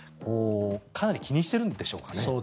かなり気にしているんでしょうかね。